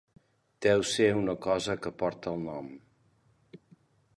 Deu ser una cosa que porta el nom.